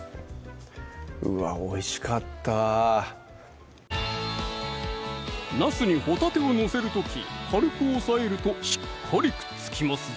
うわおいしかったなすにほたてを載せる時軽く押さえるとしっかりくっつきますぞ